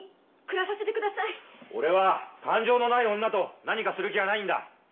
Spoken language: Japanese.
俺は感情のない女と何かする気はないんだ。